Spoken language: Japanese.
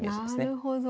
なるほど。